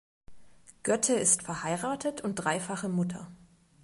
Götte ist verheiratet und dreifache Mutter.